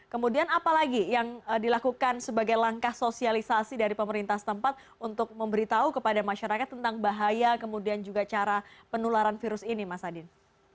kemudian apa lagi yang dilakukan sebagai langkah sosialisasi dari pemerintah setempat untuk memberitahu kepada masyarakat tentang bahaya kemudian juga cara penularan virus ini mas adin